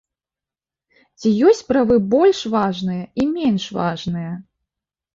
Ці ёсць правы больш важныя і менш важныя?